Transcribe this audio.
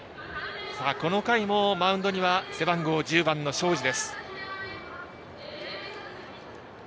この回もマウンドには背番号１０番の庄司。